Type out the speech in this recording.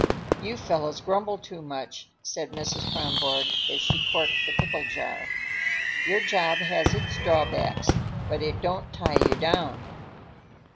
"You fellows grumble too much," said Mrs. Kronborg as she corked the pickle jar. "Your job has its drawbacks, but it don't tie you down.